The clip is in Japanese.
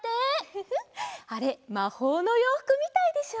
フフッあれまほうのようふくみたいでしょ？